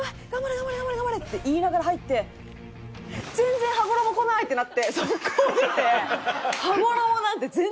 頑張れ頑張れ頑張れ！」って言いながら入って「全然羽衣こない！」ってなって即行出て。